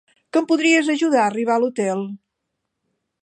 Que em podries ajudar a arribar a l'hotel?